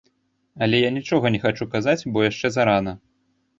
Але я нічога не хачу казаць, бо яшчэ зарана.